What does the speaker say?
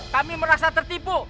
kami merasa tertipu